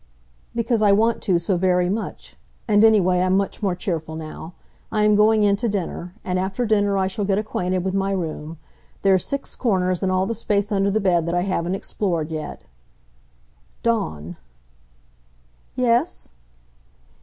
"Because I want to so very much. And anyway, I'm much more cheerful now. I am going in to dinner. And after dinner I shall get acquainted with my room. There are six corners and all the space under the bed that I haven't explored yet." "Dawn!" "Yes?"